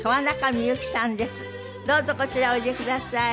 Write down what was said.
どうぞこちらへおいでください。